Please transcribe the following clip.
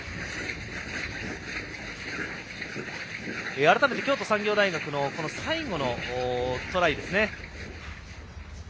改めて京都産業大学の最後のトライです。